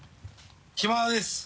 暇です。